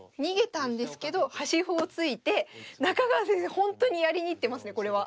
本当にやりに行ってますねこれは。